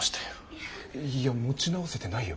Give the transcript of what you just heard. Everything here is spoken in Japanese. いや持ち直せてないよ。